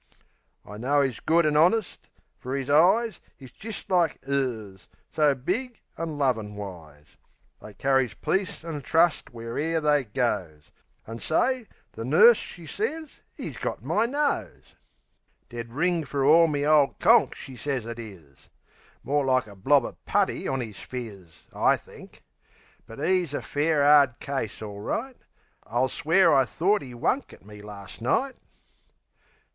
I know 'e's good an' honest; for 'is eyes Is jist like 'ers; so big an' lovin' wise; They carries peace an' trust where e'er they goes An', say, the nurse she sez 'e's got my nose! Dead ring fer me ole conk, she sez it is. More like a blob of putty on 'is phiz, I think. But 'e's a fair 'ard case, all right. I'll swear I thort 'e wunk at me last night!